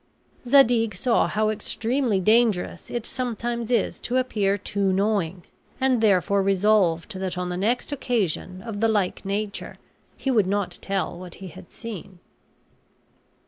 Zadig saw how extremely dangerous it sometimes is to appear too knowing, and therefore resolved that on the next occasion of the like nature he would not tell what he had seen.